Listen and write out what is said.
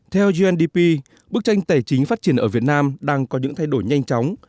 theo gndp bức tranh tài chính phát triển ở việt nam đang có những thay đổi nhanh chóng